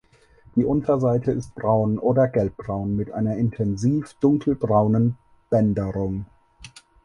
Die Unterseite ist braun oder gelbbraun mit einer intensiv dunkelbraunen Bänderung.